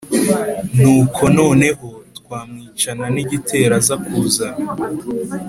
nuko noneho twamwicana nigitero azakuzana"